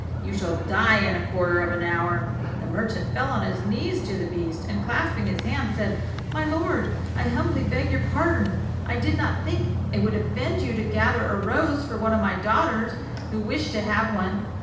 You shall die in a quarter of an hour." The merchant fell on his knees to the beast, and clasping his hands, said, "My lord, I humbly beg your pardon. I did not think it would offend you to gather a rose for one of my daughters, who wished to have one."